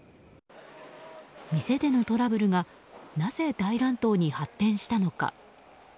店でのトラブルがなぜ大乱闘に発展したのか。